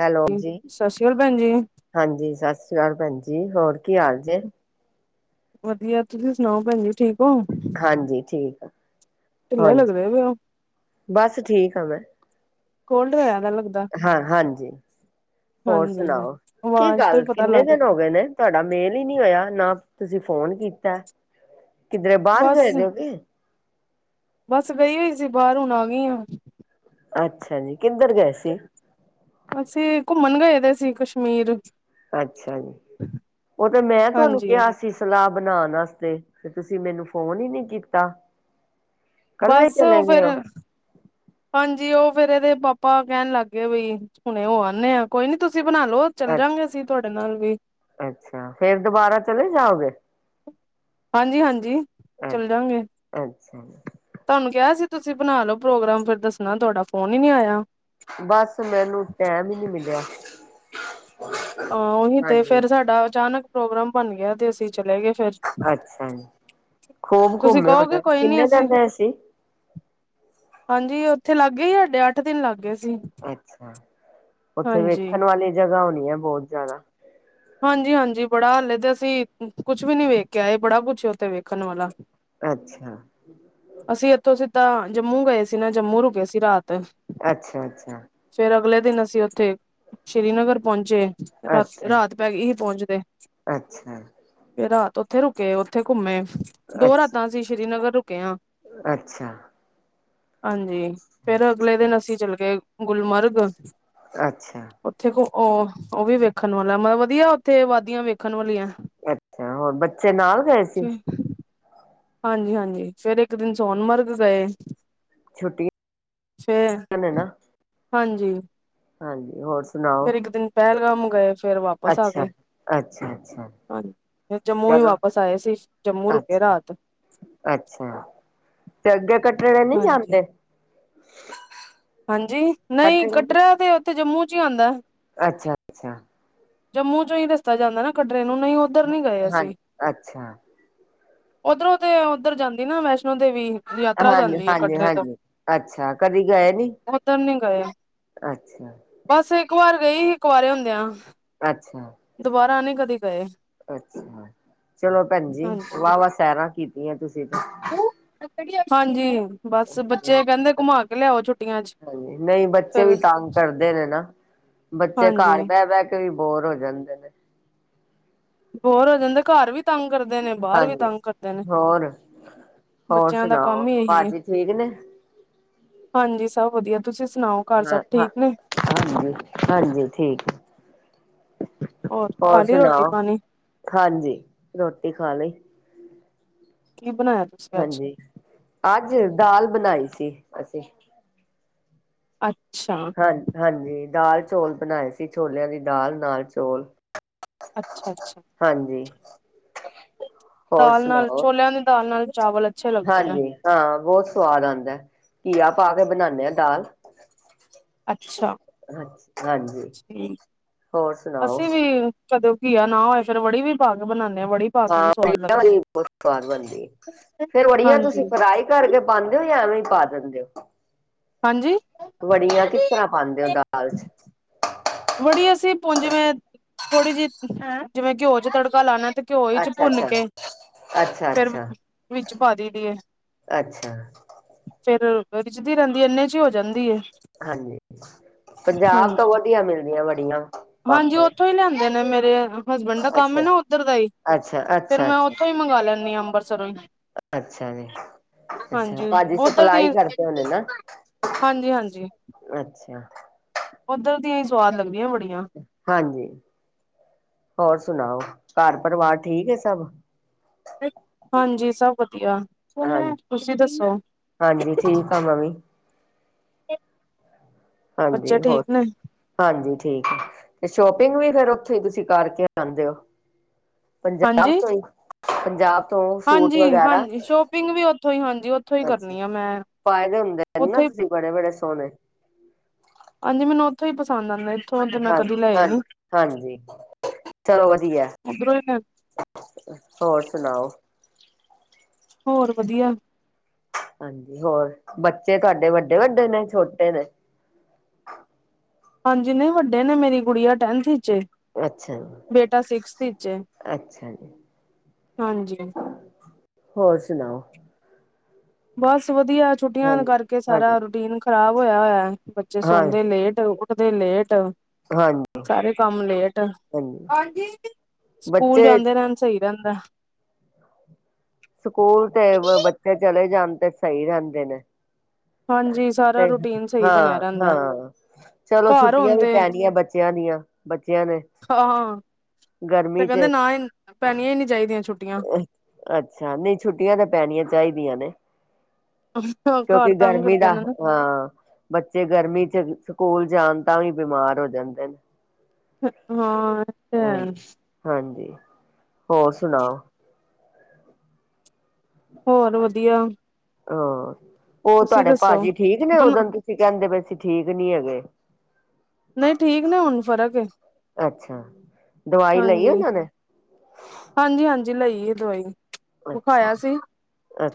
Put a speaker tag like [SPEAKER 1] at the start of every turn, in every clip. [SPEAKER 1] Hello ਜੀ,
[SPEAKER 2] ਸਤਿ ਸ਼੍ਰੀ ਅਕਾਲ ਭੈਣ ਜੀ
[SPEAKER 1] ਹਾਂਜੀ ਸਤਿ ਸ਼੍ਰੀ ਅਕਾਲ ਭੈਣ ਜੀ, ਹੋਰ ਕੀ ਹਾਲ ਜੇ।
[SPEAKER 2] ਵਧੀਆ ਤੁਸੀਂ ਸੁਣਾਓ ਭੈਣ ਜੀ ਠੀਕ ਹੋ?
[SPEAKER 1] ਹਾਂਜੀ ਠੀਕ ਆ ਹਾਂਜੀ।
[SPEAKER 2] ਦੇ ਹੋ [unintelligible]
[SPEAKER 1] ਬਸ ਠੀਕ ਆ ਮੈਂ।
[SPEAKER 2] ਕੋਲਡ ਹੋਇਆ ਪਿਆ ਲੱਗਦਾ।
[SPEAKER 1] ਹਾਂ ਹਾਂਜੀ, ਹੋਰ
[SPEAKER 2] ਹਾਂਜੀ
[SPEAKER 1] ਸੁਣਾਓ? ਕੀ
[SPEAKER 2] ਆਵਾਜ਼ ਤੋਂ
[SPEAKER 1] ਗੱਲ
[SPEAKER 2] ਹੀ ਪਤਾ
[SPEAKER 1] ਕਿੰਨੇ
[SPEAKER 2] ਲੱਗ
[SPEAKER 1] ਦਿਨ ਹੋ ਗਏ ਨੇ। ਤੁਹਾਡਾ ਮੇਲ ਹੀ ਨਹੀਂ ਹੋਇਆ। ਨਾ ਤੁਸੀਂ ਫੋਨ ਕੀਤਾ, ਕਿਧਰੇ ਬਾਹਰ
[SPEAKER 2] ਬਸ
[SPEAKER 1] ਗਏ ਦੇ ਹੋ ਕੀ।
[SPEAKER 2] ਬਸ ਗਈ ਹੋਈ ਸੀ ਬਾਹਰ, ਹੁਣ ਆ ਗਈ ਹਾਂ।
[SPEAKER 1] ਅੱਛਾ ਜੀ, ਕਿੱਧਰ ਗਏ ਸੀ?
[SPEAKER 2] ਅਸੀਂ ਘੁੰਮਣ ਗਏ ਦੇ ਸੀ ਕਸ਼ਮੀਰ।
[SPEAKER 1] ਅੱਛਾ ਜੀ, ਉਹ ਤਾਂ ਮੈਂ ਤੁਹਾਨੂੰ
[SPEAKER 2] ਹਾਂਜੀ
[SPEAKER 1] ਕਿਹਾ ਸੀ। ਸਲਾਹ ਬਣਾਉਣ ਵਾਸਤੇ ਤੇ, ਤੁਸੀਂ ਮੈਨੂੰ ਫੋਨ ਹੀ ਨੀ ਕੀਤਾ। ਕੱਲੇ
[SPEAKER 2] ਬਸ
[SPEAKER 1] ਚਲੇ ਗਏ
[SPEAKER 2] ਫੇਰ।
[SPEAKER 1] ਹੋ
[SPEAKER 2] ਹਾਂਜੀ ਉਹ ਫੇਰ ਇਹਦੇ ਪਾਪਾ, ਕਹਿਣ ਲੱਗ ਗਏ ਬਈ ਹੁਣੇ ਹੋ ਆਨੇ ਆ। ਕੋਈ ਨੀ ਤੁਸੀਂ ਬਨਾ ਲੋ, ਚੱਲੇ
[SPEAKER 1] ਅੱਛਾ
[SPEAKER 2] ਜਾਂਗੇ ਅਸੀਂ ਤੁਹਾਡੇ ਨਾਲ ਵੀ।
[SPEAKER 1] ਅੱਛਾ, ਫੇਰ ਦੁਬਾਰਾ ਚਲੇ ਜਾਓਗੇ?
[SPEAKER 2] ਹਾਂਜੀ-ਹਾਂਜੀ ਚੱਲੇ
[SPEAKER 1] ਅੱਛਾ
[SPEAKER 2] ਜਾਨਗੇ।
[SPEAKER 1] ਅੱਛਾ ਜੀ,
[SPEAKER 2] ਤੁਹਾਨੂੰ ਕਿਹਾ ਸੀ, ਤੁਸੀਂ ਬਣਾ ਲਓ ਪ੍ਰੋਗਰਾਮ, ਫੇਰ ਦੱਸਨਾ ਤੁਹਾਡਾ ਫੋਨ ਹੀ ਨਹੀਂ ਆਇਆ।
[SPEAKER 1] ਬਸ, ਮੈਨੂੰ ਟੈਮ ਹੀ ਨੀ ਮਿਲਿਆ।
[SPEAKER 2] ਹਾਂ ਉਹੀ ਤੇ
[SPEAKER 1] ਹਾਂਜੀ
[SPEAKER 2] ਫੇਰ ਸਾਡਾ ਅਚਾਨਕ ਪ੍ਰੋਗਰਾਮ ਬਣ ਗਿਆ, ਤੇ ਅਸੀਂ ਚਲੇ ਗਏ ਫੇਰ।
[SPEAKER 1] ਅੱਛਾ ਜੀ ਖੂਬ
[SPEAKER 2] ਤੁਸੀਂ
[SPEAKER 1] ਘੁੰਮੇ,
[SPEAKER 2] ਕਹੋਗੇ ਕੋਈ ਨੀ
[SPEAKER 1] ਕਿੰਨੇ
[SPEAKER 2] ਅਸੀਂ
[SPEAKER 1] ਦਿਨ ਰਹੇ ਸੀ।
[SPEAKER 2] ਹਾਂਜੀ ਉੱਥੇ ਲਗ ਗਏ, ਹੀ ਸਾਡੇ ਅੱਠ ਦਿਨ ਲੱਗ ਗਏ ਸੀ।
[SPEAKER 1] ਅੱਛਾ, ਉੱਥੇ
[SPEAKER 2] ਹਾਂਜੀ
[SPEAKER 1] ਵੇਖਣ ਵਾਲੀ ਜਗਾ ਹੋਨੀਏ ਬਹੁਤ ਜਿਆਦਾ।
[SPEAKER 2] ਹਾਂਜੀ -ਹਾਂਜੀ ਬੜਾ ਹਾਲੇ ਤੇ ਅਸੀਂ ਕੁਛ ਵੀ ਨੀ ਵੇਖ ਕੇ ਆਏ, ਬੜਾ ਕੁਛ ਉੱਥੇ ਵੇਖਣ ਵਾਲਾ।
[SPEAKER 1] ਅੱਛਾ।
[SPEAKER 2] ਅਸੀਂ ਇੱਥੋਂ ਸਿੱਧਾ ਜੰਮੂ ਗਏ ਸੀ ਨਾ। ਜੰਮੂ ਰੁਕੇ ਸੀ ਰਾਤ।
[SPEAKER 1] ਅੱਛਾ ਅੱਛਾ
[SPEAKER 2] ਫੇਰ ਅਗਲੇ ਦਿਨ ਅਸੀਂ ਉੱਥੇ, ਸ਼੍ਰੀਨਗਰ ਪਹੁੰਚੇ ਰਾਤ-
[SPEAKER 1] ਅੱਛਾ
[SPEAKER 2] ਰਾਤ। ਹੀ ਪਹੁੰਚ ਗਏ,
[SPEAKER 1] ਅੱਛਾ
[SPEAKER 2] ਫੇਰ ਰਾਤ ਉੱਥੇ ਰੁਕੇ ਉੱਥੇ ਘੁੰਮੇ। ਦੋ
[SPEAKER 1] ਅੱਛਾ
[SPEAKER 2] ਰਾਤਾਂ ਅਸੀਂ ਸ਼੍ਰੀਨਗਰ ਰੁਕੇ ਹਾਂ।
[SPEAKER 1] ਅੱਛਾ।
[SPEAKER 2] ਹਾਂਜੀ ਫੇਰ ਅਗਲੇ ਦਿਨ ਅਸੀਂ ਚਲੇ ਗਏ ਗੁਲਮਰਗ
[SPEAKER 1] ਅੱਛਾ
[SPEAKER 2] ਉਥੇ ਉਹ ਉਹ ਵੀ ਵੇਖਣ ਵਾਲਾ ਮਤਲਬ ਵਧੀਆ ਉੱਥੇ ਵਾਦੀਆਂ ਵੇਖਣ ਵਾਲੀਆਂ
[SPEAKER 1] ਅੱਛਾ ਹੋਰ ਬੱਚੇ ਨਾਲ ਗਏ ਸੀ।
[SPEAKER 2] ਹਾਂਜੀ- ਹਾਂਜੀ ਫੇਰ ਇੱਕ ਦਿਨ ਸੋਨਮਰਗ ਗਏ।
[SPEAKER 1] ਛੁੱਟੀਆਂ
[SPEAKER 2] ਫੇਰ
[SPEAKER 1] ਨੇ ਨਾ
[SPEAKER 2] ਹਾਂਜੀ।
[SPEAKER 1] ਹਾਂਜੀ ਹੋਰ ਸੁਣਾਓ
[SPEAKER 2] ਫਿਰ ਇੱਕ ਦਿਨ ਪਹਿਲਗਾਮ ਗਏ ਫੇਰ ਵਾਪਸ
[SPEAKER 1] ਅੱਛਾ
[SPEAKER 2] ਆਗੇ
[SPEAKER 1] ਅੱਛਾ -ਅੱਛਾ
[SPEAKER 2] ਹਾਂਜੀ ਫਿਰ ਜੰਮੂ ਹੀ
[SPEAKER 1] ਚਲੋ
[SPEAKER 2] ਵਾਪਸ ਆਏ ਸੀ ਜੰਮੂ ਰੁਕੇ
[SPEAKER 1] ਅੱਛਾ
[SPEAKER 2] ਰਾਤ
[SPEAKER 1] ਅੱਛਾ ਤੇ ਅੱਗੇ ਕਟਰੇ ਨਹੀਂ
[SPEAKER 2] ਹਾਂਜੀ
[SPEAKER 1] ਜਾਂਦੇ।
[SPEAKER 2] ਹਾਂਜੀ, ਨਹੀਂ
[SPEAKER 1] ਕਟੜੇ
[SPEAKER 2] ਕਟਰਾ ਤੇ ਉੱਥੇ ਜੰਮੂ 'ਚ ਹੀ ਆਂਦਾ।
[SPEAKER 1] ਅੱਛਾ- ਅੱਛਾ
[SPEAKER 2] ਜੰਮੂ 'ਚੋਂ ਹੀ ਰਸਤਾ ਜਾਂਦਾ ਨਾ ਕਟਰੇ ਨੂੰ ਨਹੀਂ ਉੱਧਰ ਨਹੀਂ ਗਏ
[SPEAKER 1] ਹਾਂ
[SPEAKER 2] ਅਸੀਂ
[SPEAKER 1] ਅੱਛਾ
[SPEAKER 2] ਓਧਰੋਂ ਤੇ ਉੱਧਰ ਜਾਂਦੀ ਨਾ ਵੈਸ਼ਨੋ ਦੇਵੀ ਯਾਤਰਾ
[SPEAKER 1] ਹਾਂਜੀ
[SPEAKER 2] ਜਾਂਦੀ ਹੈ
[SPEAKER 1] ਹਾਂਜੀ
[SPEAKER 2] ਕਟਰੇ ਤੋਂ
[SPEAKER 1] ਹਾਂਜੀ ਅੱਛਾ ਕਦੀ ਗਏ ਨਹੀਂ।
[SPEAKER 2] ਉੱਧਰ ਨੀ ਗਏ।
[SPEAKER 1] ਅੱਛਾ
[SPEAKER 2] ਬਸ ਇੱਕ ਵਾਰ ਗਈ ਹੀ ਕੁਵਾਰੇੰ ਹੁੰਦਿਆਂ।
[SPEAKER 1] ਅੱਛਾ
[SPEAKER 2] ਦੁਬਾਰਾ ਨੀ ਕਦੇ ਗਏ।
[SPEAKER 1] ਅੱਛਾ ਚਲੋ ਭੈਣਜੀ
[SPEAKER 2] ਹਾਂਜੀ,
[SPEAKER 1] ਵਾਹਵਾ ਸੈਰਾਂ ਕੀਤੀਆਂ ਤੁਸੀਂ ਤੇ
[SPEAKER 2] ਹਾਂਜੀ ਬਸ ਬੱਚੇ ਕਹਿੰਦੇ ਘੁਮਾ ਕੇ ਲਿਆਓ ਛੁੱਟੀਆਂ ਚ
[SPEAKER 1] ਹਾਂਜੀ ਨਹੀਂ ਬੱਚੇ
[SPEAKER 2] ਫੇਰ
[SPEAKER 1] ਵੀ ਤੰਗ ਕਰਦੇ ਨੇ ਨਾ ਬੱਚੇ
[SPEAKER 2] ਹਾਂਜੀ
[SPEAKER 1] ਘਰ ਬਹਿ -ਬਹਿ ਕੇ ਵੀ ਬੋਰ ਹੋ ਜਾਂਦੇ ਨੇ।
[SPEAKER 2] ਬੌਰ ਹੋ ਜਾਂਦੇ ਘਰ ਵੀ ਤੰਗ ਕਰਦੇ ਨੇ ਬਾਹਰ ਵੀ
[SPEAKER 1] ਹਾਂਜੀ
[SPEAKER 2] ਤੰਗ ਕਰਦੇ ਨੇ।
[SPEAKER 1] ਹੋਰ ਹੋਰ
[SPEAKER 2] ਬੱਚਿਆਂ ਦਾ
[SPEAKER 1] ਸੁਣਾਓ
[SPEAKER 2] ਕੰਮ ਹੀ ਇਹੀ ਹੈ
[SPEAKER 1] ਭਾਜੀ ਠੀਕ ਨੇ
[SPEAKER 2] ਹਾਂਜੀ ਸਭ ਵਧੀਆ ਤੁਸੀਂ ਸੁਣਾਓ। ਘਰ
[SPEAKER 1] ਹ
[SPEAKER 2] ਸਭ
[SPEAKER 1] ਹਾਂ
[SPEAKER 2] ਠੀਕ ਨੇ
[SPEAKER 1] ਹਾਂਜੀ- ਹਾਂਜੀ ਠੀਕ ਹੈ। ਹੋਰ
[SPEAKER 2] ਖਾਲੀ ਰੋਟੀ
[SPEAKER 1] ਸੁਣਾਓ
[SPEAKER 2] ਪਾਣੀ
[SPEAKER 1] ਹਾਂਜੀ ਰੋਟੀ ਖਾ ਲਈ
[SPEAKER 2] ਕੀ ਬਣਾਇਆ। ਤੁਸੀਂ ਅੱਜ
[SPEAKER 1] ਹਾਂਜੀ ਅੱਜ ਦਾਲ ਬਨਾਈ ਸੀ ਅਸੀਂ
[SPEAKER 2] ਅੱਛਾ
[SPEAKER 1] ਹਾਂ, ਹਾਂਜੀ, ਦਾਲ ਚੋਲ ਬਣਾਏ ਸੀ, ਛੋਲਿਆਂ ਦੀ ਦਾਲ ਨਾਲ ਚੋਲ
[SPEAKER 2] ਅੱਛਾ -ਅੱਛਾ
[SPEAKER 1] ਹੋਰ
[SPEAKER 2] ਦਾਲ ਨਾਲ
[SPEAKER 1] ਸੁਣਾਓ
[SPEAKER 2] ਛੋਲਿਆਂ ਦੀ ਦਾਲ ਨਾਲ ਚਾਵਲ ਅੱਛੇ ਲੱਗਦੇ ਨੇ
[SPEAKER 1] ਹਾਂਜੀ ਹਾਂ ਬਹੁਤ ਸਵਾਦ ਆਉਂਦਾ ਘੀਆ ਪਾ ਕੇ ਬਣਾਣੇ ਆ ਦਾਲ
[SPEAKER 2] ਅੱਛਾ
[SPEAKER 1] ਹਾਂਜੀ ਹੋਰ ਸੁਣਾਓ
[SPEAKER 2] ਅਸੀਂ ਵੀ ਕਦੋ ਘੀਆ ਨਾ ਹੋਇ ਫਿਰ ਵੜੀ ਵੀ ਪਾ ਕੇ ਬਣਾਣੇ ਹ ਵੜੀ ਪਾ
[SPEAKER 1] ਹਾ
[SPEAKER 2] ਕੇ ਵੀ ਸਵਾਦ
[SPEAKER 1] ਵੜੀਆਂ
[SPEAKER 2] ਲੱਗਦੀ
[SPEAKER 1] ਵਲੀ ਬਹੁਤ ਸਵਾਦ ਬਣਦੀ ਫੇਰ ਵੜੀਆ
[SPEAKER 2] ਹਾਂਜੀ
[SPEAKER 1] ਤੁਸੀਂ ਫਰਾਈ ਕਰਕੇ ਪਾਉਂਦੇ ਹੋ ਜਾਂ ਐਵੇਂ ਪਾ ਦਿੰਦੇ ਹੋ।
[SPEAKER 2] ਹਾਂਜੀ
[SPEAKER 1] ਵੜੀਆਂ ਕਿਸ ਤਰ੍ਹਾਂ ਪਾਉਦੇ ਹੋ ਦਾਲ 'ਚ
[SPEAKER 2] ਵੜੀ ਅਸੀਂ ਹੁਣ ਜਿਵੇਂ ਥੋੜੀ ਜਿਹੀ ਜਿਵੇਂ ਘਿਓ 'ਚ ਤੜਕਾ ਲਾਣਾ ਤੇ ਘਿਓ 'ਚ
[SPEAKER 1] ਅੱਛਾ
[SPEAKER 2] ਭੁੰਨ
[SPEAKER 1] ਅੱਛਾ
[SPEAKER 2] ਕੇ
[SPEAKER 1] ਅੱਛਾ
[SPEAKER 2] ਫਿਰ
[SPEAKER 1] ਅੱਛਾ
[SPEAKER 2] ਵਿੱਚ ਪਾ ਦੀ ਦੀਏ।
[SPEAKER 1] ਅੱਛਾ
[SPEAKER 2] ਫੇਰ ਰਿੱਝਦੀ ਰਹਿੰਦੀ ਏ ਇੰਨੇ 'ਚ ਹੀ ਹੋ ਜਾਂਦੀ ਏ।
[SPEAKER 1] ਹਾਂਜੀ ਪੰਜਾਬ ਤੋਂ
[SPEAKER 2] ਹਾਂਜੀ।
[SPEAKER 1] ਵਧੀਆ ਮਿਲਦੀਆਂ ਵੜੀਆ
[SPEAKER 2] ਹਾਂਜੀ ਉਥੋਂ ਹੀ ਲਿਆਂਦੇ ਨੇ ਮੇਰੇ ਹਸਬੈਂਡ ਦਾ ਕੰਮ ਹੈ
[SPEAKER 1] ਅੱਛਾ
[SPEAKER 2] ਨਾ ਉੱਧਰ ਦਾ ਹੀ
[SPEAKER 1] ਅੱਛਾ ਅੱਛਾ
[SPEAKER 2] ਫੇਰ ਮੈਂ
[SPEAKER 1] ਅੱਛਾ
[SPEAKER 2] ਉਥੋਂ ਹੀ ਮੰਗਾਂ ਲੈਂਨੀ ਆ ਅੰਬਰਸਰੋ ਈ।
[SPEAKER 1] ਅੱਛਾ ਜੀ ਅੱਛਾ ਭਾਜੀ ਸਪਲਾਈ ਕਰਦੇ ਹੌਨੇ ਨਾ।
[SPEAKER 2] ਹਾਂਜੀ- ਹਾਂਜੀ।
[SPEAKER 1] ਅੱਛਾ।
[SPEAKER 2] ਉੱਧਰ ਦੀਆਂ ਹੀ ਸੁਆਦ ਲੱਗਦੀਆ ਵੜੀਆਂ।
[SPEAKER 1] ਹਾਂਜੀ। ਹੋਰ ਸੁਣਾਓ ਘਰ ਪਰਿਵਾਰ ਠੀਕ ਹੈ ਸਭ?
[SPEAKER 2] ਹਾਂਜੀ। ਸਭ ਵਧੀਆ।
[SPEAKER 1] ਹਾਂ
[SPEAKER 2] ਤੁਸੀਂ ਦੱਸੋ?
[SPEAKER 1] ਹਾਂਜੀ। ਠੀਕ ਆ ਮ ਵੀ।
[SPEAKER 2] ਬੱਚੇ
[SPEAKER 1] ਹਾਂਜੀ। ਹੋਰ
[SPEAKER 2] ਠੀਕ ਨੇ
[SPEAKER 1] ਹਾਂਜੀ। ਠੀਕ ਹੈ, ਤੇ ਸ਼ੋਪਿੰਗ ਵੀ ਫੇਿਰ ਉੱਥੇ ਤੁਸੀਂ ਕਰਕੇ ਆਉਂਦੇ ਹੋ। ਪੰਜਾਬ
[SPEAKER 2] ਹਾਂਜੀ।
[SPEAKER 1] ਤੋਂ ਹੀ, ਪੰਜਾਬ ਤੋਂ ਸੂਟ ਵਗੈਰਾ
[SPEAKER 2] ਵੀੱਥੋਂ ਵੀ ਉਥੋ। ਹਾਂਜੀ। ਉੱਥੋਂ ਹੀ
[SPEAKER 1] ਅੱਛਾ।
[SPEAKER 2] ਕਰਨੀ ਆ ਮੈਂ
[SPEAKER 1] ਪਾਏ ਦੇ ਹੁੰਦੇ ਨਾ
[SPEAKER 2] ਉੱਥੋਂ ਹੀ
[SPEAKER 1] ਤੁਸੀਂ ਬੜੇ -ਬੜੇ ਸੋਹਣੇ।
[SPEAKER 2] ਹਾਂਜੀ ਮੈਨੂੰ ਉੱਥੋਂ ਹੀ ਪਸੰਦ ਆਂਦਾ। ਇਥੋਂ ਤੇ ਮੈਂ
[SPEAKER 1] ਹਾਂ
[SPEAKER 2] ਕਦੀ ਲੈਏ ਨੀ।
[SPEAKER 1] ਹਾਂਜੀ ਹਾਂਜੀ। ਚਲੋ ਵਧੀਆ।
[SPEAKER 2] ਉੱਧਰੋਂ ਹੀ ਮੈਂ
[SPEAKER 1] ਹੋਰ ਸੁਣਾਓ?
[SPEAKER 2] ਹੋਰ ਵਧੀਆ।
[SPEAKER 1] ਹਾਂਜੀ। ਹੋਰ ਬੱਚੇ ਤੁਹਾਡੇ ਵੱਡੇ -ਵੱਡੇ ਨੇ ਛੋਟੇ ਨੇ।
[SPEAKER 2] ਹਾਂਜੀ। ਨਹੀਂ ਵੱਡੇ ਨੇ। ਮੇਰੀ ਕੁੜੀ ਆ ਟੈਨਥ ਵਿਚ।
[SPEAKER 1] ਅੱਛਾ ਜੀ
[SPEAKER 2] ਬੇਟਾ ਸਿਕਸਥ ਵਿਚ ਹੈ।
[SPEAKER 1] ਅੱਛਾ ਜੀ
[SPEAKER 2] ਹਾਂਜੀ।
[SPEAKER 1] ਹੋਰ ਸੁਣਾਓ?
[SPEAKER 2] ਬਸ ਵਧੀਆ। ਛੁੱਟੀਆਂ
[SPEAKER 1] ਹਾਂਜੀ
[SPEAKER 2] ਕਰਕੇ
[SPEAKER 1] ਹਾਂਜੀ
[SPEAKER 2] ਸਾਰਾ ਰੂਟੀਨ ਖ਼ਰਾਬ ਹੋਇਆ ਹੋਇਆ। ਬੱਚੇ
[SPEAKER 1] ਹਾਂ
[SPEAKER 2] ਸੌਦੇ ਲੇਟ, ਉੱਠਦੇ ਲੇਟ।
[SPEAKER 1] ਹਾਂਜੀ
[SPEAKER 2] ਸਾਰੇ ਕੰਮ ਲੇਟ।
[SPEAKER 1] ਹਾਂਜੀ
[SPEAKER 2] ਸਕੂਲ
[SPEAKER 1] ਬੱਚੇ
[SPEAKER 2] ਜਾਂਦੇ ਰ ਸਹੀ ਰਹਿੰਦਾ।
[SPEAKER 1] ਸਕੂਲ ਤੇ ਬੱਚੇ ਚਲੇ ਜਾਣ ਤੇ ਸਹੀ ਰਹਿੰਦੇ ਨੇ।
[SPEAKER 2] ਹਾਂਜੀ ਸਾਰਾ ਰੂਟੀਨ ਸਹੀ ਬਣਿਆ
[SPEAKER 1] ਹਾਂ-
[SPEAKER 2] ਰਹਿੰਦਾ
[SPEAKER 1] ਹਾਂ ਚਲੋ
[SPEAKER 2] ਘਰ
[SPEAKER 1] ਛੁੱਟੀਆਂ
[SPEAKER 2] ਹੋਣ
[SPEAKER 1] ਵੀ
[SPEAKER 2] ਤੇ
[SPEAKER 1] ਪੈਣੀਆਂ ਬੱਚਿਆਂ ਦੀਆਂ। ਬੱਚਿਆਂ ਨੇ
[SPEAKER 2] ਹਾਂ। ਤੇ
[SPEAKER 1] ਗਰਮੀ
[SPEAKER 2] ਕਹਿੰਦੇ
[SPEAKER 1] ਚ
[SPEAKER 2] ਨਾ ਹੀ ਪੈਣੀਆਂ ਹੀ ਨਹੀਂ ਚਾਹੀਦੀਆਂ ਛੁੱਟੀਆਂ।
[SPEAKER 1] ਅੱਛਾ। ਨਹੀਂ ਛੁੱਟੀਆਂ ਤਾਂ ਪੈਣੀਆਂ ਚਾਹੀਦੀਆਂ ਨੇ।
[SPEAKER 2] ਘਰ
[SPEAKER 1] ਕਿਉਂਕਿ
[SPEAKER 2] ਤੰਗ
[SPEAKER 1] ਗਰਮੀ
[SPEAKER 2] ਕਰਦੇ
[SPEAKER 1] ਦਾ।
[SPEAKER 2] ਨੇ ਨਾ
[SPEAKER 1] ਹਾਂ। ਬੱਚੇ ਗਰਮੀ ਚ' ਸਕੂਲ ਜਾਣ ਤਾਂ ਵੀ ਬਿਮਾਰ ਹੋ ਜਾਂਦੇ ਨੇ।
[SPEAKER 2] ਹਾਂ। ਤੇ
[SPEAKER 1] ਹਾਂ,
[SPEAKER 2] ਹੈ,
[SPEAKER 1] ਹਾਂਜੀ। ਹੋਰ ਸੁਣਾਓ?
[SPEAKER 2] ਹੋਰ ਵਧੀਆ।
[SPEAKER 1] ਹਾਂ, ਹੋਰ
[SPEAKER 2] ਤੁਸੀਂ
[SPEAKER 1] ਤੁਆਡੇ
[SPEAKER 2] ਦੱਸੋ
[SPEAKER 1] ਭਾਜੀ ਠੀਕ ਨੇ
[SPEAKER 2] ਬਣਾ
[SPEAKER 1] ਹੁਨ। ਤੇ ਕਹਿੰਦੇ ਪੇ ਅਸੀਂ ਠੀਕ ਨੀ ਹੈਗੇ।
[SPEAKER 2] ਨਈ ਠੀਕ ਨੇ ਹੁਣ ਫਰਕ ਏ
[SPEAKER 1] ਅੱਛਾ। ਦਵਾਈ ਲਈ ਉਹਨਾਂ ਨੇ
[SPEAKER 2] ਹਾਂਜੀ-ਹਾਂਜੀ- ਹਾਂਜੀ ਲਈਏ ਦਵਾਈ।
[SPEAKER 1] ਅੱਛਾ
[SPEAKER 2] ਵਿਖਾਇਆ ਸੀ।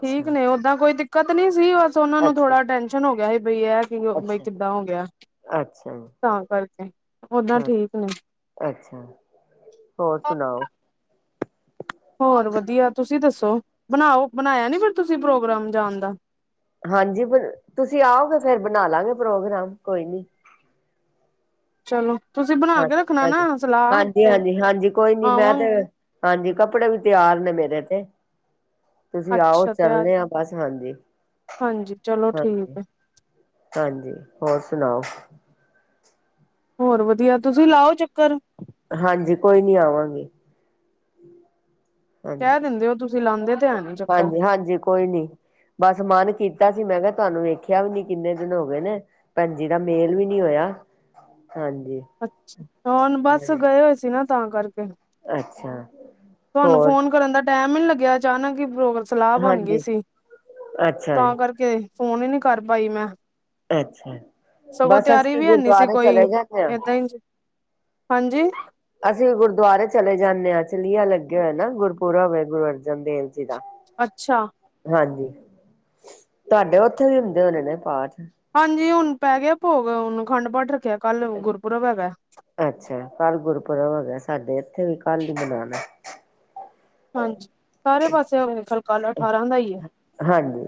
[SPEAKER 2] ਠੀਕ ਨੇ ਓਦਾਂ ਕੋਈ ਦਿੱਕਤ ਨੀ ਸੀ ਬਸ ਉਹਨਾ
[SPEAKER 1] ਅੱਛਾ
[SPEAKER 2] ਨੂੰ ਥੋੜਾ ਟੈਂਸ਼ ਹੁਨ ਗਿਆ ਸੀ ਬਈ ਏ ਕਿ ਬਈ
[SPEAKER 1] ਅੱਛਾ
[SPEAKER 2] ਕਿੱਦਾਂ ਹੋ ਗਿਆ।
[SPEAKER 1] ਅੱਛਾ
[SPEAKER 2] ਤਾਂ ਕਰਕੇ ਓਦਾਂ
[SPEAKER 1] ਹਾਂ
[SPEAKER 2] ਠੀਕ ਨੇ।
[SPEAKER 1] ਅੱਛਾ। ਹੋਰ ਸੁਣਾਓ?
[SPEAKER 2] ਹੋਰ ਵਧੀਆ ਤੁਸੀਂ ਦੱਸੋ? ਬਣਾਓ ਬਣਾਇਆ ਨੀ ਫੇਰ ਤੁਸੀਂ ਪ੍ਰੋਗਰਾਮ ਜਾਣ ਦਾ।
[SPEAKER 1] ਹਾਂਜੀ। ਤੁਸੀਂ ਆਓਗੇ ਫੇਰ ਬਣਾ ਲਾਂਗੇ ਪ੍ਰੋਗਰਾਮ। ਕੋਈ ਨੀ
[SPEAKER 2] ਚਲੋ, ਤੁਸੀਂ ਬਣਾ
[SPEAKER 1] ਹਾਂ,
[SPEAKER 2] ਕੇ ਰੱਖਣਾ
[SPEAKER 1] ਹਾਂਜੀ
[SPEAKER 2] ਨਾ ਸਲਾਹ
[SPEAKER 1] -ਹਾਂਜੀ,
[SPEAKER 2] ਫਿਰ
[SPEAKER 1] ਹਾਂਜੀ -ਹਾਂਜੀ ਕੋਈ ਨੀ ਮੈਂ
[SPEAKER 2] ਆਵਾਂ
[SPEAKER 1] ਤੇ ਹਾਂਜੀ। ਕੱਪੜੇ ਵੀ ਤਿਆਰ ਨੇ ਮੇਰੇ ਤੇ। ਤੁਸੀਂ ਆਓ
[SPEAKER 2] ਅੱਛਾ ਤਿਆਰ
[SPEAKER 1] ਚੱਲਣੇ ਆ। ਬਸ, ਹਾਂਜੀ।
[SPEAKER 2] ਹਾਂਜੀ। ਚਲੋ ਠੀਕ
[SPEAKER 1] ਹਾਂਜੀ
[SPEAKER 2] ਹੈ।
[SPEAKER 1] ਹਾਂਜੀ। ਹੋਰ ਸੁਣਾਓ?
[SPEAKER 2] ਹੋਰ ਵਧੀਆ ਤੁਸੀਂ ਲਾਓ ਚੱਕਰ
[SPEAKER 1] ਹਾਂਜੀ, ਕੋਈ ਨੀ ਆਵਾਂਗੇ। ਹਾਂਜੀ,
[SPEAKER 2] ਕਹਿ ਦਿੰਦੇ ਹੋ ਤੁਸੀਂ ਲਾਉਂਦੇ ਤੇ ਹੈ ਨੀ ਚੱਕਰ
[SPEAKER 1] ਹਾਂਜੀ -ਹਾਂਜੀ ਕੋਈ ਨੀ ਬਸ ਮਨ ਕੀਤਾ ਸੀ ਮੈਂ ਕਿਹਾ ਤਾਹਨੂੰ ਵੇਖਿਆ ਵੀ ਨੀ ਕਿੰਨੇ ਦਿਨ ਹੋ ਗਏ ਨੇ ਭੈਣਜੀ ਦਾ ਮੇਲ ਵੀ ਨੀ ਹੋਇਆ, ਹਾਂਜੀ।
[SPEAKER 2] ਅੱਛ, ਹੁਣ ਬਸ ਗਏ ਹੋਏ ਸੀ ਨਾ ਤਾਂ ਕਰਕੇ
[SPEAKER 1] ਅੱਛਾ
[SPEAKER 2] ਤੁਆਨੂੰ
[SPEAKER 1] ਹੋਰ
[SPEAKER 2] ਫੋਨ ਕਰਨ ਦਾ ਟਾਈਮ ਈ ਨੀ ਲੱਗਿਆ ਅਚਾਨਕ ਪ੍ਰੋਗ ਸਲਾ ਬਣ ਗੀ
[SPEAKER 1] ਹਾਂਜੀ
[SPEAKER 2] ਸੀ,
[SPEAKER 1] ਅੱਛਾ
[SPEAKER 2] ਤਾਂ ਕਰਕੇ ਫੋਨ ਈ ਨੀ ਕਰ ਪਾਈ ਮੈਂ।
[SPEAKER 1] ਅੱਛਾ
[SPEAKER 2] ਸਗੋਂ
[SPEAKER 1] ਬਸ
[SPEAKER 2] ਤਿਆਰੀ
[SPEAKER 1] ਅਸੀਂ
[SPEAKER 2] ਵੀ ਹੈਨੀ ਸੀ
[SPEAKER 1] ਗੁਰਦੁਆਰੇ
[SPEAKER 2] ਕੋਈ
[SPEAKER 1] ਚਲੇ ਜਾਂਦੇ ਹਾਂ
[SPEAKER 2] ਏਦਾਂ ਈ, ਹਾਂਜੀ?
[SPEAKER 1] ਅਸੀਂ ਗੁਰਦੁਆਰੇ ਚਲੇ ਜਾਂਨੇ ਆ ਚਲੀਆ ਲੱਗਿਆ ਹੋਆ ਨਾ, ਗੁਰਪੁਰਵ ਏ ਗੁਰੂ ਅਰਜਨ ਦੇਵ ਜੀ ਦਾ।
[SPEAKER 2] ਅੱਛਾ
[SPEAKER 1] ਹਾਂਜੀ, ਤੁਆਡੇ ਉੱਥੇ ਵੀ ਹੁੰਦੇ ਹੋਣੇ ਨੇ ਪਾਠ।
[SPEAKER 2] ਹਾਂਜੀ ਹੁਣ ਪੈ ਗਿਆ ਭੋਗ ਹੁਣ ਖੰਡ ਪਾਠ ਰੱਖਿਆ ਕੱਲ ਗੁਰਪੁਰਵ ਹੈਗਾ।
[SPEAKER 1] ਅੱਛਾ, ਕੱਲ੍ਹ ਗੁਰਪੁਰਬ ਹੈਗਾ ਸਾਡੇ ਇੱਥੇ ਵੀ ਕੱਲ ਈ ਮਨਾਣਾ।
[SPEAKER 2] ਹਾਂਜੀ, ਸਾਰੇ ਪਾਸੇ ਹੋਏ ਖਲ ਕਲ ਅਠਾਰਾਂ ਦਾ ਈ ਐ।
[SPEAKER 1] ਹਾਂਜੀ,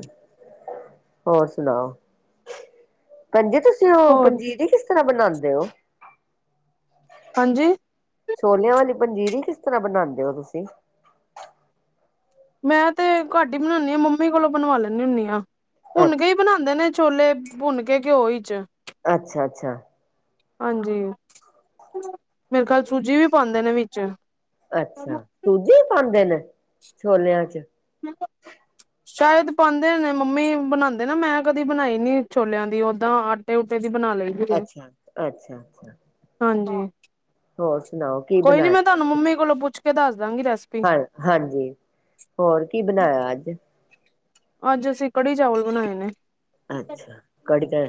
[SPEAKER 1] ਹੋਰ ਸੁਣਾਓ ਪੈਨਜੀ ਤੁਸੀਂ ਤੇ ਓ,
[SPEAKER 2] ਹੋਰ
[SPEAKER 1] ਪੰਜੀਰੀ ਕਿਸ ਤਰ੍ਹਾਂ ਬਣਾਂਦੇ ਓ।
[SPEAKER 2] ਹਾਂਜੀ?
[SPEAKER 1] ਛੋਲਿਆਂ ਵਾਲੀ ਪੰਜੀਰੀ ਕਿਸ ਤਰ੍ਹਾਂ ਬਣਾਂਦੇ ਓ ਤੁਸੀਂ।
[SPEAKER 2] ਮੈਂ ਤੇ ਘੱਟ ਈ ਬਣਾਨੀ ਆਂ ਮੰਮੀ ਕੋਲੋਂ ਬਣਵਾ ਲੈਂਨੀ ਹੁੰਨੀ ਆ, ਭੁੰਨ ਕੇ
[SPEAKER 1] ਅੱਛਾ,
[SPEAKER 2] ਈ ਬਣਾਂਦੇ ਨੇ। ਛੋਲੇ, ਭੁੰਨ ਕੇ ਘਿਓ ਈ ਚ
[SPEAKER 1] ਅੱਛਾ-ਅੱਛਾ।
[SPEAKER 2] ਹਾਂਜੀ, ਮੇਰੇ ਖਿਆਲ ਸੂਜੀ ਵੀ ਪਾਉਂਦੇ ਨੇ ਵਿੱਚ।
[SPEAKER 1] ਅੱਛਾ, ਸੂਜੀ ਵੀ ਪਾਂਦੇ ਨੇ, ਛੋਲਿਆਂ 'ਚ।
[SPEAKER 2] ਮੈਂ [unintelligible] ਸ਼ਾਇਦ ਪਾਂਦੇ ਨੇ ਮੰਮੀ ਬਣਾਂਦੇ ਨਾ ਮੈਂ ਕਦੀ ਬਣਾਈ ਨੀ ਛੋਲਿਆਂ ਦੀ ਓਦਾਂ ਤੇ ਓਤੇ ਦੀ ਬਣਾ ਲਈ ਦੀ ਹੈ
[SPEAKER 1] ਅੱਛਾ, ਅੱਛਾ-ਅੱਛਾ।
[SPEAKER 2] ਹਾਂਜੀ।
[SPEAKER 1] ਹੋਰ ਸੁਣਾਓ ਕੀ
[SPEAKER 2] ਕੋਈ ਨੀ ਮੈਂ ਤਾਨੂੰ
[SPEAKER 1] ਬਣਾਇਆ?
[SPEAKER 2] ਮੰਮੀ ਕੋਲੋ ਪੁੱਛ ਕੇ ਦੱਸ ਦਾ ਗੀ ਰੈਸਪੀ।
[SPEAKER 1] ਹਾਂ ਹਾਂਜੀ, ਹੋਰ ਕੀ ਬਣਾਇਆ ਅੱਜ?
[SPEAKER 2] ਅੱਜ ਅਸੀਂ ਕੜੀ-ਚਾਵਲ ਬਣਾਏ ਨੇ।
[SPEAKER 1] ਅੱਛਾ, ਕੜੀ ਐ,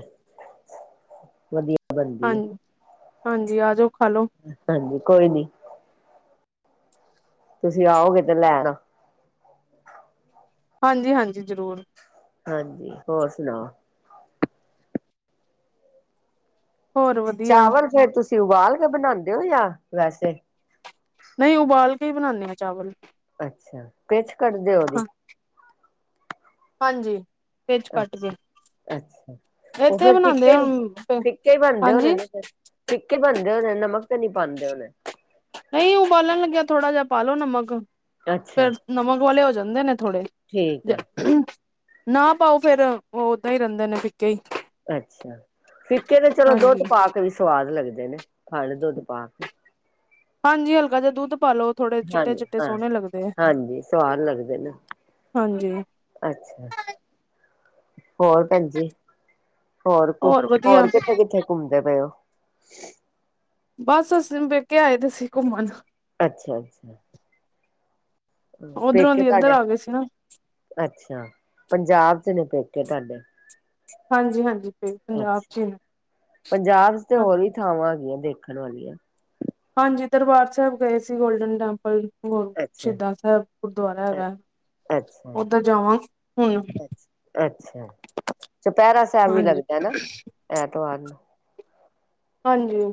[SPEAKER 1] ਵਧੀਆ। ਬਣਦੀ ਹੈ
[SPEAKER 2] ਹਾਂਜੀ, ਹਾਂਜੀ ਆਜੋ ਖਾਲੋ।
[SPEAKER 1] ਹਾਂਜੀ, ਕੋਈ ਨੀ। ਤੁਸੀਂ ਆਓਗੇ ਤੇ ਲੈ ਆਣਾ।
[SPEAKER 2] ਹਾਂਜੀ-ਹਾਂਜੀ, ਜ਼ਰੂਰ।
[SPEAKER 1] ਹਾਂਜੀ, ਹੋਰ ਸੁਣਾਓ?
[SPEAKER 2] ਹੋਰ ਵਧੀਆ
[SPEAKER 1] ਚਾਵਲ ਫੇਰ, ਤੁਸੀਂ ਉਬਾਲ ਕੇ ਬਣਾਂਦੇ ਓ, ਜਾਂ ਵੈਸੇ
[SPEAKER 2] ਨਈ, ਉਬਾਲ ਕੇ ਈ ਬਣਾਨੇ ਆਂ ਚਾਵਲ।
[SPEAKER 1] ਅੱਛਾ, ਪਿਛ ਕੱਢਦੇ ਓ, ਓਦੀ।
[SPEAKER 2] ਹਾਂਜੀ। ਵਿੱਚ ਕੱਟ ਕੇ
[SPEAKER 1] ਅੱਛਾ-ਅੱਛਾ ਉ
[SPEAKER 2] ਇੱਥੇ
[SPEAKER 1] ਫੇਰ
[SPEAKER 2] ਬਣਾਉਂਦੇ
[SPEAKER 1] ਫਿੱਕੇ ਈ,
[SPEAKER 2] ਹੁਣ
[SPEAKER 1] ਫਿੱਕੇ ਈ ਬਣਦੇ ਹੋਣੇ
[SPEAKER 2] ਹਾਂਜੀ
[SPEAKER 1] ਨੇ ਫੇਰ। ਫਿੱਕੇ ਈ ਬਣਦੇ ਹੋਣੇ ਨਮਕ ਤੇ ਨੀ ਪਾਂਦੇ ਹੋਣੇ।
[SPEAKER 2] ਨਈ, ਉਬਾਲਣ ਲੱਗਿਆ ਥੋੜਾ ਜੇਆ ਪਾਲੋ ਨਮਕ,
[SPEAKER 1] ਅੱਛਾ
[SPEAKER 2] ਫੇਰ ਨਮਕ ਵਾਲੇ ਹੋ ਜਾਂਦੇ ਨੇ ਥੋੜੇ।
[SPEAKER 1] ਠੀਕ ਹੈ
[SPEAKER 2] ਨਾ ਪਾਓ ਫੇਰ, ਓ ਓਦਾਂ ਈ ਰੈਂਦੇ ਨੇ ਫਿੱਕੇ ਈ।
[SPEAKER 1] ਅੱਛਾ, ਫਿੱਕੇ ਤੇ ਚਲੋ ਦੁੱਧ ਪਾ ਕੇ ਵੀ ਸਵਾਦ ਲੱਗਦੇ ਨੇ, ਖਾਲੋ ਦੁੱਧ ਪਾ ਕੇ।
[SPEAKER 2] ਹਾਂਜੀ ਹਲਕਾ ਜਾ ਦੁੱਧ ਪਾ ਲੋ ਥੋੜੇ ਚਿੱਟੇ
[SPEAKER 1] ਹਾਂਜੀ
[SPEAKER 2] ਚਿੱਟੇ
[SPEAKER 1] ਹਾਂ
[SPEAKER 2] ਸੋਹਣੇ ਲੱਗਦੇ ਆ
[SPEAKER 1] ਹਾਂਜੀ ਸਵਾਦ ਲੱਗਦੇ ਨੇ
[SPEAKER 2] ਹਾਂਜੀ
[SPEAKER 1] ਅੱਛਾ ਹੋਰ ਭੈਣਜੀ ਹੋਰ ਕੁ ਹੋਰ ਕਿੱਥੇ ਕਿੱਥੇ ਘੁੰਮਦੇ ਪਏ ਓ
[SPEAKER 2] ਬਸ ਅਸੀਂ ਪੇਕੇ ਆਏ ਤੁ ਸੀ ਘੁੰਮਣ
[SPEAKER 1] ਅੱਛਾ, ਅੱਛਾ
[SPEAKER 2] ਉਧਰੋਂ
[SPEAKER 1] ਪੇਕੇ
[SPEAKER 2] ਦੀ ਇੱਧਰ
[SPEAKER 1] ਤਾੱਡੇ
[SPEAKER 2] ਆ ਗਏ ਸੀ ਨਾ
[SPEAKER 1] ਅੱਛਾ ਪੰਜਾਬ ਚ ਨੇ ਪੇਕੇ ਤਾੱਡੇ।
[SPEAKER 2] ਹਾਂਜੀ-ਹਾਂਜੀ, ਪੰਜਾਬ
[SPEAKER 1] ਅੱਛਾ
[SPEAKER 2] ਚ ਹੀ ਨੇ।
[SPEAKER 1] ਪੰਜਾਬ ਚ ਤੇ ਹੋਰ ਹੀ ਥਾਵਾਂ ਹੈਗੀਆਂ ਦੇਖਣ ਵਾਲੀਆਂ।
[SPEAKER 2] ਹਾਂਜੀ, ਦਰਬਾਰ ਸੈਬ ਗਏ ਸੀ ਗੋਲਡਨ ਟੈਂਪਲ। ਹੋਰ ਸ਼ੀਦਾਂ ਸੈਬ ਗੁਰਦੁਆਰਾ ਹੈਗਾ ਐ। ਹੁਣ
[SPEAKER 1] ਅੱਛਾ-ਅੱਛਾ। ਚਪੈਰਾ ਸੈਬ ਵੀ
[SPEAKER 2] ਹਾਂਜੀ
[SPEAKER 1] ਲੱਗਦਾ ਏ ਨਾ? ਐਤਵਾਰ।
[SPEAKER 2] ਹਾਂਜੀ।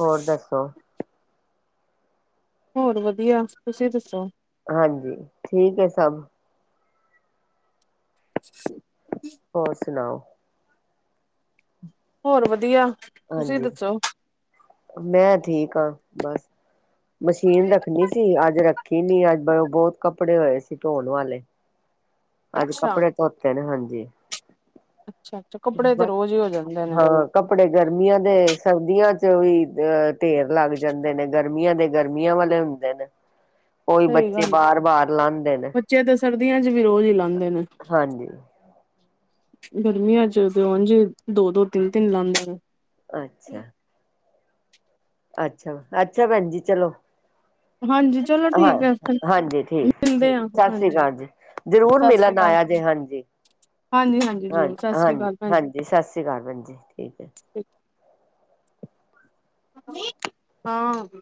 [SPEAKER 1] ਹੋਰ ਦੱਸੋ?
[SPEAKER 2] ਹੋਰ ਵਧੀਆ, ਤੁਸੀਂ ਦੱਸੋ?
[SPEAKER 1] ਹਾਂਜੀ, ਠੀਕ ਏ ਸਭ।
[SPEAKER 2] [inaudible]
[SPEAKER 1] ਹੋਰ, ਸੁਣਾਓ।
[SPEAKER 2] ਹੋਰ, ਵਧੀਆ। ਤੁਸੀਂ
[SPEAKER 1] ਹਾਂਜੀ,
[SPEAKER 2] ਦੱਸੋ
[SPEAKER 1] ਮੈਂ ਠੀਕ ਹਾਂ ਬਸ। ਮਸ਼ੀਨ ਰੱਖਣੀ ਸੀ, ਅੱਜ ਰੱਖ ਨੀ, ਅੱਜ ਬੋਤ ਕੱਪੜੇ ਹੋਏ ਸੀ ਧੋਣ ਵਾਲੇ। ਅੱਜ
[SPEAKER 2] ਅੱਛਾ
[SPEAKER 1] ਕੱਪੜੇ ਧੋਤੇ ਨੇ, ਹਾਂਜੀ,
[SPEAKER 2] ਅੱਛਾ ਅੱਛਾ ਕੱਪੜੇ ਤੇ
[SPEAKER 1] ਬਸ
[SPEAKER 2] ਰੋਜ਼ ਹੀ ਹੋ ਜਾਂਦੇ ਨੇ
[SPEAKER 1] ਹਾਂ ਕੱਪੜੇ ਗਰਮੀਆਂ ਦੇ, ਸਰਦੀਆਂ ਚ ਵੀ ਅ ਢੇਰ ਲੱਗ ਜਾਂਦੇ ਨੇ। ਗਰਮੀਆਂ ਦੇ ਗਰਮੀਆਂ ਵਾਲੇ ਹੁੰਦੇ ਨੇ।
[SPEAKER 2] [inaudible]
[SPEAKER 1] ਔਈ, ਬੱਚੇ
[SPEAKER 2] ਗੱਲ
[SPEAKER 1] ਬਾਰ-ਬਾਰ ਲਾਂਦੇ ਨੇ।
[SPEAKER 2] ਬੱਚੇ ਤੇ ਸਰਦੀਆਂ ਚ ਵੀ ਰੋਜ਼ ਈ ਲਾਂਦੇ ਨੇ।
[SPEAKER 1] ਹਾਂਜੀ।
[SPEAKER 2] ਗਰਮੀਆਂ ਚ, ਤੇ ਔੰਝ ਦੋ-ਦੋ, ਤਿੰਨ-ਤਿੰਨ ਲਾਂਦੇ ਨੇ।
[SPEAKER 1] ਅੱਛਾ। ਅੱਛਾ, ਅੱਛਾ ਭੈਣ ਜੀ, ਚਲੋ।
[SPEAKER 2] ਹਾਂਜੀ। ਚਲੋ
[SPEAKER 1] ਹਾਂ,
[SPEAKER 2] ਠੀਕ ਹੈ
[SPEAKER 1] ਹਾਂਜੀ, ਠੀਕ
[SPEAKER 2] ਮਿਲਦੇ
[SPEAKER 1] ਠੀਕ।
[SPEAKER 2] ਆ
[SPEAKER 1] ਸ ਸਰੀ
[SPEAKER 2] ਹਾਂਜੀ
[SPEAKER 1] ਕਾਲ ਜੀ, ਜਰੂਰ
[SPEAKER 2] ਸਤਿ ਸ੍ਰੀ
[SPEAKER 1] ਮਿਲਣ
[SPEAKER 2] ਅਕਾਲ
[SPEAKER 1] ਆਇਆ ਜੇ ਹਾਂਜੀ।
[SPEAKER 2] ਹਾਂਜੀ ਹਾਂਜੀ
[SPEAKER 1] ਹਾਂ
[SPEAKER 2] ਜ਼ਰੂਰ ਸਤਿ ਸ੍ਰੀ
[SPEAKER 1] ਹਾਂਜੀ
[SPEAKER 2] ਅਕਾਲ ਭੈਣ
[SPEAKER 1] ਹਾਂਜੀ ਸਾਸ ਰੀ ਕਾਲ, ਭੈਣਜੀ। ਠੀਕ ਏ।
[SPEAKER 2] ਜੀ ਹਾਂ।